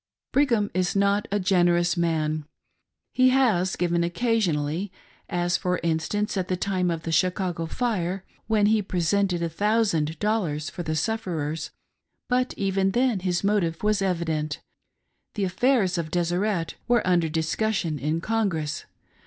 Brigham is not a generous man. He has given occasion • ally, as for instance at the time of the Chicago fire, when he presented a thousand dollars for the sufferers, but even then his motive was evident — the affairs of " Deseret " were under discussion in Congress.